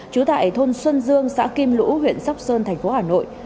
trú tại thôn xuân dương xã kim lũ huyện sóc sơn tp hà nội